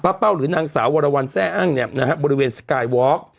เป้าหรือนางสาววรวรรณแซ่อั้งเนี่ยนะฮะบริเวณสกายวอล์ก